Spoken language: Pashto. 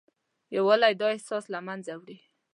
یووالی دا احساس له منځه وړي.